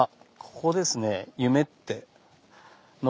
ここですね。